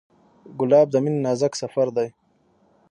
ګلاب د مینې نازک سفر دی.